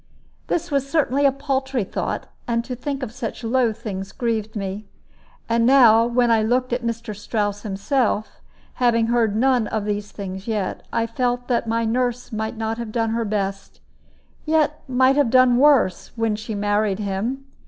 This was certainly a paltry thought; and to think of such low things grieved me. And now, when I looked at Mr. Strouss himself, having heard of none of these things yet, I felt that my nurse might not have done her best, yet might have done worse, when she married him.